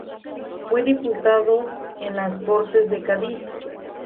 Fue diputado en las Cortes de Cádiz.